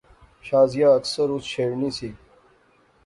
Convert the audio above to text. شازیہ اکثر اس چھیڑنی سی